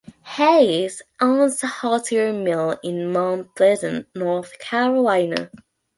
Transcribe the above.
Hayes owns a hosiery mill in Mount Pleasant, North Carolina.